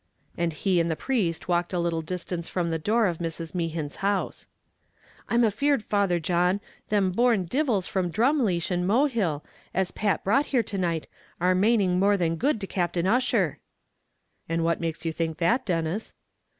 and he and the priest walked a little distance from the door of Mrs. Mehan's house. "I'm afeard, Father John, them born divils from Drumleesh and Mohill, as Pat brought here to night, are maning more than good to Captain Ussher." "And what makes you think that, Denis?"